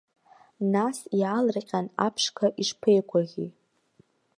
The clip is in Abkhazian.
Нас, иаалырҟьан аԥшқа ишԥеигәаӷьи!